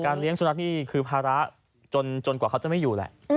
เลี้ยงสุนัขนี่คือภาระจนกว่าเขาจะไม่อยู่แหละ